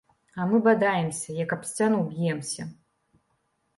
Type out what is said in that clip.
А мы бадаемся, як аб сцяну б'емся.